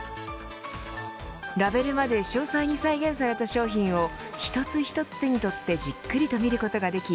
ラベルまで詳細に再現された商品を一つ一つ手に取ってじっくりと見ることができ